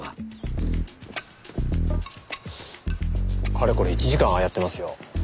かれこれ１時間ああやってますよ。